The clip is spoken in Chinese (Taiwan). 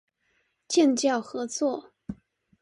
建教合作